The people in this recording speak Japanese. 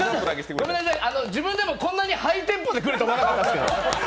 自分でもこんなにハイテンポで来ると思わなかったので。